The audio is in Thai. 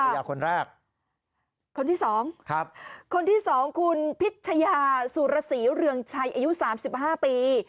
ยาคนแรกคนที่สองครับคนที่สองคุณพิชยาสุรสีเรืองชัยอายุสามสิบห้าปี